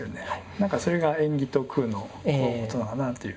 何かそれが縁起と空のことなのかなという。